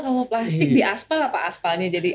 sama plastik di aspal apa aspalnya jadi